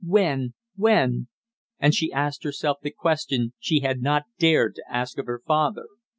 When? When? And she asked herself the question she had not dared to ask of her father.